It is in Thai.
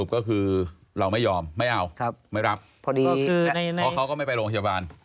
ก็คือเราไม่ยอมไม่เอาไม่รับพอดีเพราะเขาก็ไม่ไปโรงพยาบาล